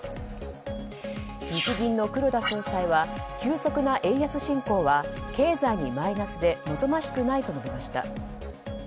日銀の黒田総裁は急速な円安進行は経済にマイナスで望ましくないと述べました。